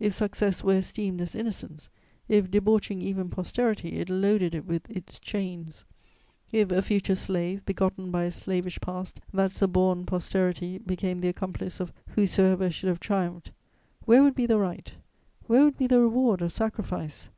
If success were esteemed as innocence; if, debauching even posterity, it loaded it with its chains; if, a future slave, begotten by a slavish past, that suborned posterity became the accomplice of whosoever should have triumphed: where would be the right, where would be the reward of sacrifices?